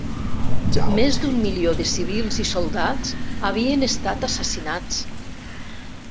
Més d'un milió de civils i soldats havien estat assassinats.